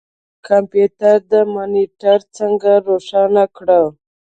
د کمپیوټر مانیټر څنګه روښانه کړو.